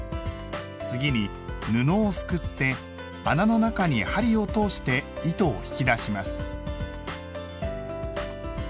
次に布をすくって穴の中に針を通して糸を引き出します。